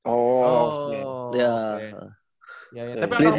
tapi ada rumah di surabaya